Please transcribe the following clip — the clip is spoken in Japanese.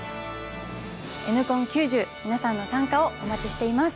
「Ｎコン９０」皆さんの参加をお待ちしています！